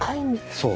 そう。